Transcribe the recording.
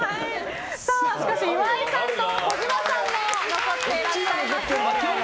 しかし、岩井さんも児嶋さんも残っていらっしゃいます。